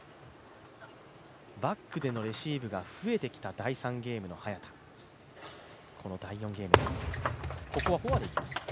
バックでのレシーブが増えてきた第３ゲームの早田、この第４ゲームです。